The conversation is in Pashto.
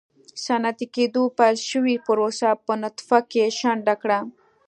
صنعتي کېدو پیل شوې پروسه په نطفه کې شنډه کړه.